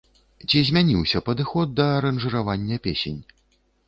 Ці змяніўся падыход да аранжыравання песень?